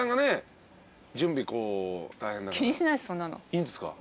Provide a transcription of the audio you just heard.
いいんですか？